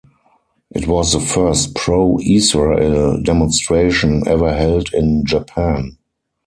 It was the first pro-Israel demonstration ever held in Japan.